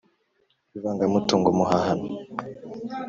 ivangamutungo muhahano: